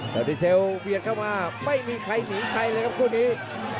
แต่ดีเซลเบียดเข้ามาไม่มีใครหนีใครเลยครับคู่นี้